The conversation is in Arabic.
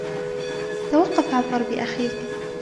توقف عن ضرب أخيك.